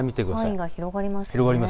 範囲が広がりますね。